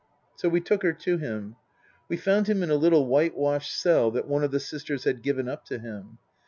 So we took her to him. We found him in a little whitewashed cell that one of the sisters had given up to him.